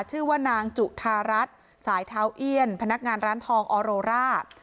ชื่อว่านางจุธารัฐสายเท้าเอี้ยนพนักงานร้านทองออโรร่า